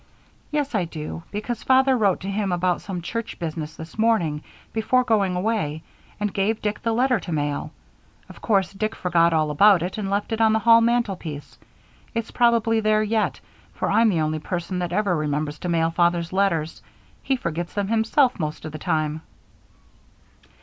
"Yes, I do, because Father wrote to him about some church business this morning, before going away, and gave Dick the letter to mail. Of course Dick forgot all about it and left it on the hall mantelpiece. It's probably there yet, for I'm the only person that ever remembers to mail Father's letters he forgets them himself most of the time."